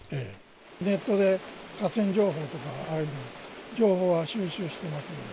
ネットで河川情報とかああいうのは、情報は収集してますんで。